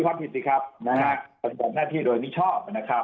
ความผิดสิครับเป็นหน่วงหน้าที่โดยมิชอบนะครับ